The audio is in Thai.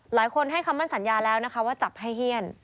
หลายคนให้คำมั่นสัญญาแล้วนะคะว่าจับให้เฮียน